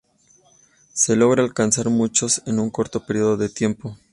Se logró alcanzar muchos en un corto periodo de tiempo.